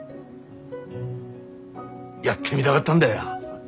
やってみだがったんだよ